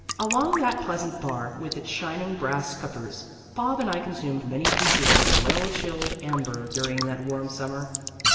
Along that pleasant bar, with its shining brass scuppers, Bob and I consumed many beakers of well chilled amber during that warm summer.